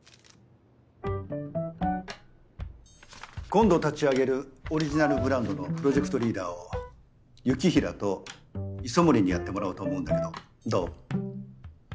今度立ち上げるオリジナルブランドのプロジェクトリーダーを雪平と磯森にやってもらおうと思うんだけどどう？